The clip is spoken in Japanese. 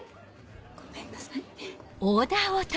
ごめんなさい。